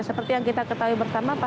seperti yang kita ketahui bersama